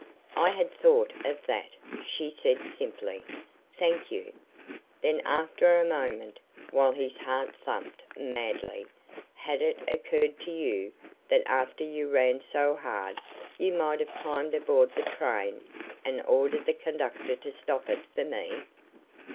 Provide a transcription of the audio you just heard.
"I had thought of that," she said, simply. "Thank you." Then, after a moment, while his heart thumped madly: "Had it occurred to you that after you ran so hard you might have climbed aboard the train and ordered the conductor to stop it for me?"